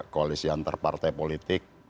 koalisi antar partai politik